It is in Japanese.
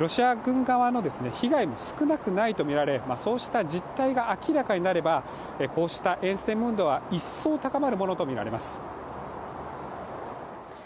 ロシア軍側の被害も少なくないとみられ、そうした実態が明らかになればこうしたえん戦ムードは一層高まるものとみられます。